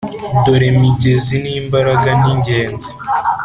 dore migezi, n'imbaraga n'ingenzi